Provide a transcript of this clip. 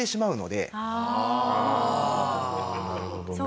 なるほどね。